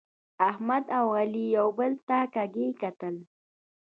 احمد او علي یو بل ته کږي کتل.